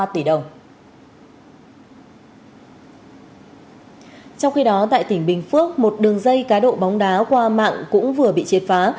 trong khi đó tại tỉnh bình phước một đường dây cá độ bóng đá qua mạng cũng vừa bị triệt phá